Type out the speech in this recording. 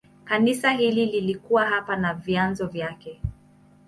Kanisa hili lilikuwa hapa na vyanzo vyake.